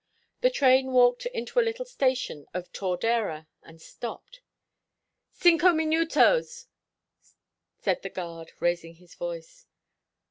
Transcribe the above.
The train walked into a little station of Tordera and stopped. "Cinco minutos!" said the guard, raising his voice.